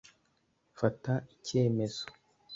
fata icyemezo